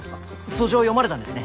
訴状読まれたんですね？